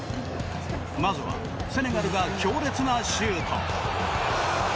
まずはセネガルが強烈なシュート。